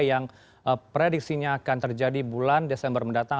yang prediksinya akan terjadi bulan desember mendatang